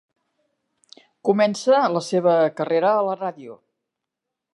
Comença la seva carrera a la ràdio.